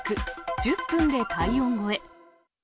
１０分で体温超え。